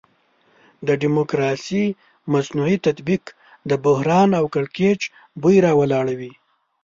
د ډیموکراسي مصنوعي تطبیق د بحران او کړکېچ بوی راولاړوي.